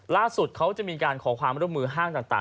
เขาจะมีการขอความร่วมมือห้างต่าง